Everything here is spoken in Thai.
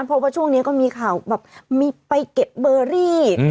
เพราะว่าช่วงนี้ก็มีข่าวแบบมีไปเก็บเบอรี่